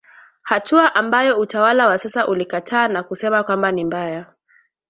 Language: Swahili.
Hatua ambayo utawala wa sasa ulikataa na kusema kwamba ni mbaya.